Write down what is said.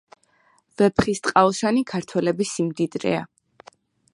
ვეფხისტყაოსანი ქართველების სიმდიდრეა